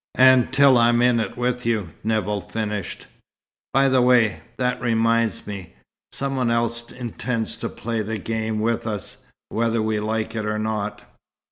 "And till I'm in it with you," Nevill finished. "By the way, that reminds me. Some one else intends to play the game with us, whether we like or not."